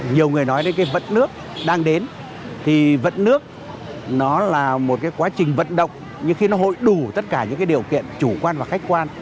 nhiều người nói đến cái vận nước đang đến thì vận nước nó là một cái quá trình vận động nhưng khi nó hội đủ tất cả những cái điều kiện chủ quan và khách quan